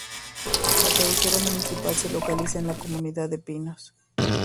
La cabecera municipal se localiza en la comunidad de Pinos.